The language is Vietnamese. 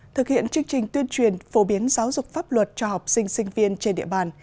thực hiện chương trình tuyên truyền phổ biến giáo dục pháp luật cho học sinh sinh viên trên địa bàn